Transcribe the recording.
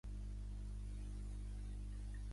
Un membre de la família reial està complint pena de presó.